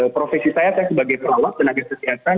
profesi saya saya sebagai perawat tenaga kesehatan